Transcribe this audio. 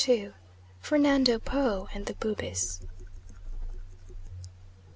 FERNANDO PO AND THE BUBIS.